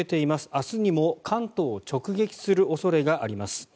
明日にも関東を直撃する恐れがあります。